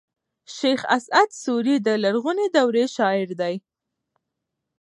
شېخ اسعد سوري د لرغوني دورې شاعر دﺉ.